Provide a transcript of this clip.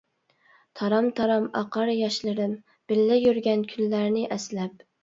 تارام-تارام ئاقار ياشلىرىم، بىللە يۈرگەن كۈنلەرنى ئەسلەپ.